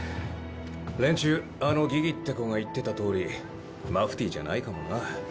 連中あのギギって子が言ってたとおりマフティーじゃないかもな。